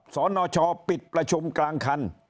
สนชปิดประชุมกลางคัน